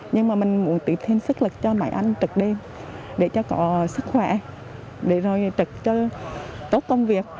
nhưng mà mình muốn tự thêm sức lực cho mấy anh trực đi để cho có sức khỏe để rồi trực cho tốt công việc